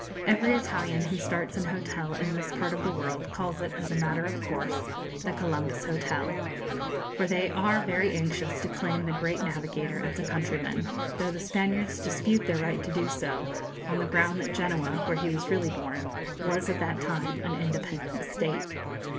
Every Italian who starts an hotel in this part of the world calls it, as a matter of course, 'The Columbus Hotel;' for they are very anxious to claim the great navigator as a countryman, though the Spaniards dispute their right to do so, on the ground that Genoa, where he was really born, was at that time an independent State.